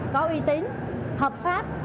có uy tín hợp pháp